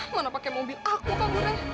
mana pake mobil aku pak bure